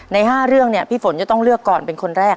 ๕เรื่องเนี่ยพี่ฝนจะต้องเลือกก่อนเป็นคนแรก